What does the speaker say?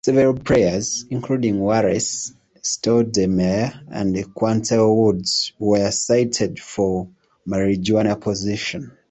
Several players, including Wallace, Stoudamire, and Qyntel Woods, were cited for marijuana possession.